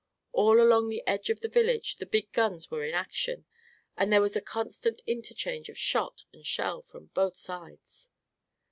All along the edge of the village the big guns were in action and there was a constant interchange of shot and shell from both sides.